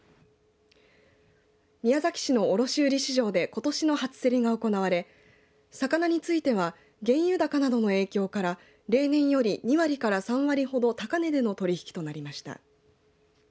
宮崎市の卸売市場でことしの初競りが行われ魚については原油高などの影響から例年より２割から３割ほど高値での取り引きとなりました。